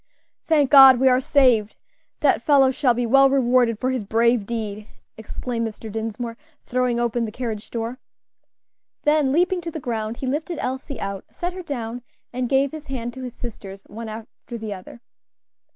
"Thank God, we are saved! That fellow shall be well rewarded for his brave deed," exclaimed Mr. Dinsmore, throwing open the carriage door. Then, leaping to the ground, he lifted Elsie out, set her down, and gave his hand to his sisters one after the other.